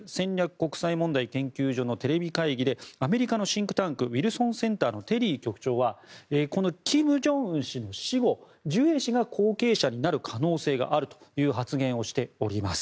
国際問題研究所のテレビ会議でアメリカのシンクタンクウィルソンセンターのテリー局長はこの金正恩氏の死後ジュエ氏が後継者になる可能性があると話しています。